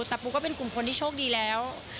แต่ปูก็เป็นกลุ่มคนที่โชคดีแล้ว